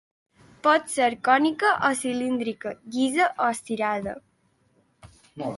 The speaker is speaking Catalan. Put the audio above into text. Pot ser cònica o cilíndrica, llisa o estriada.